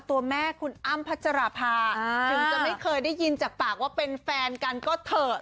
ถึงจะไม่เคยได้ยินจากปากว่าเป็นแฟนกันก็เถอะ